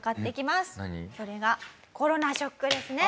それがコロナショックですね。